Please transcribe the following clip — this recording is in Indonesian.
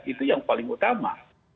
itu yang paling utama